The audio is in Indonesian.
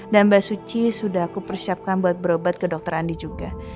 dan mbak suci sudah aku persiapkan buat berobat ke dokter andi juga